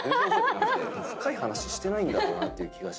深い話してないんだろうなって気が。